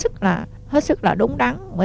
chữ cái vui vẻ